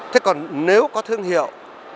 thế còn nếu có thương hiệu